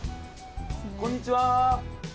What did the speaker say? こんにちは。